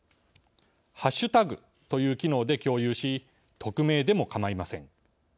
ハッシュタグという機能で共有し匿名でも構いません。